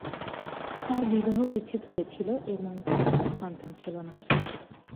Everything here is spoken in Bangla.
তার বিবাহবিচ্ছেদ হয়েছিল এবং তার কোনো সন্তান ছিল না।